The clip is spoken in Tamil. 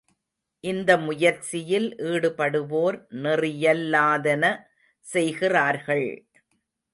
இந்த முயற்சியில் ஈடுபடுவோர் நெறியல்லாதன செய்கிறார்கள்!